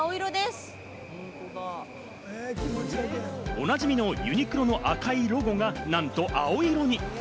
おなじみのユニクロの赤いロゴがなんと青色に。